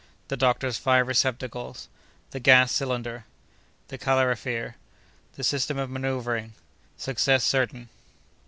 —The Doctor's Five Receptacles.—The Gas Cylinder.—The Calorifere.—The System of Manœuvring.—Success certain.